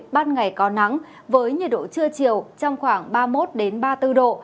ban ngày có nắng với nhiệt độ trưa chiều trong khoảng ba mươi một ba mươi bốn độ